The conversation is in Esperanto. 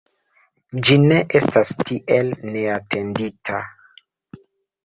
Ĝi ne estas tiel neatendita.